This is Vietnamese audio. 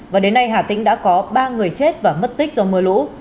và đến nay hà tĩnh đã có ba người chết và mất tích do mưa lũ